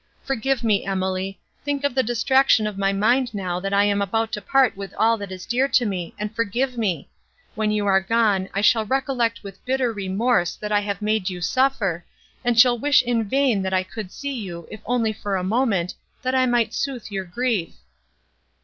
Forgive me, Emily! think of the distraction of my mind now that I am about to part with all that is dear to me—and forgive me! When you are gone, I shall recollect with bitter remorse what I have made you suffer, and shall wish in vain that I could see you, if only for a moment, that I might sooth your grief."